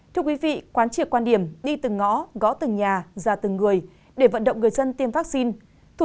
thưa quý vị quán triệt quan điểm đi từng ngõ gõ từng nhà ra từng người để vận động người dân tiêm vaccine